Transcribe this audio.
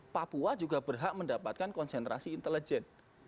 papua juga berhak mendapatkan konsentrasi intelijen